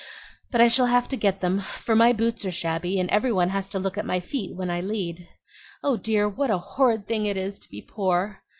But I shall have to get them; for my boots are shabby, and every one has to look at my feet when I lead. Oh dear, what a horrid thing it is to be poor!"